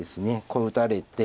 こう打たれて。